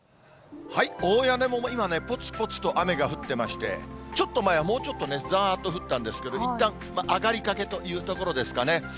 大屋根も今ね、ぽつぽつと雨が降ってまして、ちょっと前はもうちょっとね、ざーっと降ったんですけど、いったん上がりかけというところですかね。